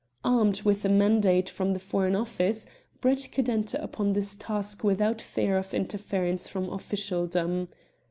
Armed with a mandate from the Foreign Office, Brett could enter upon his task without fear of interference from officialdom.